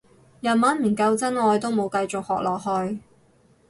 日文唔夠真愛都冇繼續學落去